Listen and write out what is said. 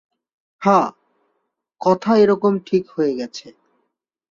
হাঁ, কথা একরকম ঠিক হয়ে গেছে।